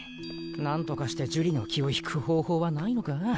なんとかして樹里の気を引く方法はないのか？